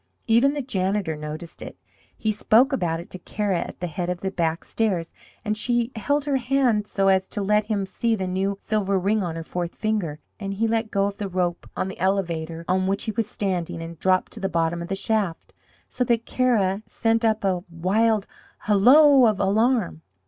Even the janitor noticed it. He spoke about it to Kara at the head of the back stairs, and she held her hand so as to let him see the new silver ring on her fourth finger, and he let go of the rope on the elevator on which he was standing and dropped to the bottom of the shaft, so that Kara sent up a wild hallo of alarm.